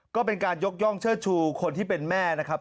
ก็เป็นการยกย่องเชิดชูคนที่เป็นแม่นะครับ